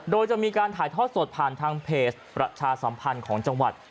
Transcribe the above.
โดยจะมีการถ่ายทอดสดผ่านทางเพจประชาสัมพันธ์ของจังหวัด